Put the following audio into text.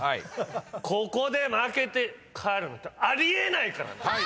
ここで負けて帰るのってあり得ないからな！